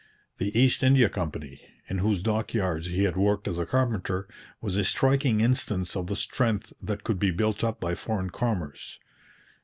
The East India Company, in whose dockyards he had worked as a carpenter, was a striking instance of the strength that could be built up by foreign commerce.